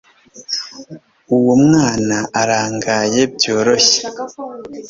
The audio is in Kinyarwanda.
uwo mwana arangaye byoroshye